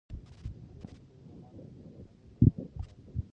د جګړې او سولې رومان د مینې او انسانیت یو ابدي درس دی.